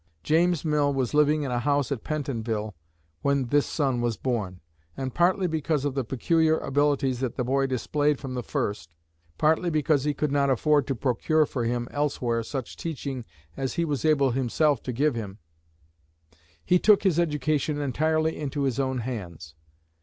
James Mill was living in a house at Pentonville when this son was born, and partly because of the peculiar abilities that the boy displayed from the first, partly because he could not afford to procure for him elsewhere such teaching as he was able himself to give him, he took his education entirely into his own hands.